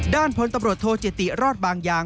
พลตำรวจโทจิติรอดบางอย่าง